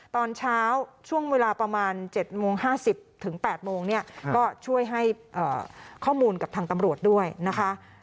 ตอนเช้าช่วงเวลาประมาณ๗โมง๕๐ถึง๘โมงเนี่ยก็ช่วยให้ข้อมูลกับทางตำรวจด้วยนะคะ